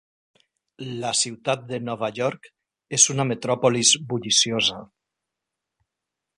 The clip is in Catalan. La ciutat de Nova York és una metròpolis bulliciosa.